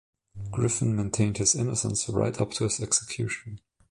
Griffin maintained his innocence right up to his execution.